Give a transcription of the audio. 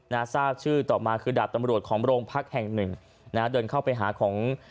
นาซาชื่อต่อมาคือดาบตำรวจของโรงพักแห่ง๑